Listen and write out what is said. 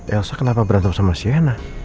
elsa kenapa berantem sama siena